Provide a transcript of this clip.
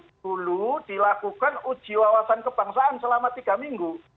dulu dilakukan uji wawasan kebangsaan selama tiga minggu